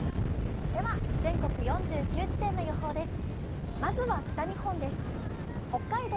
では全国４９地点の予報です。